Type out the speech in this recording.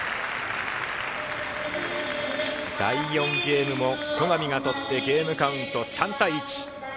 第４ゲームも戸上が取ってゲームカウント、３対１。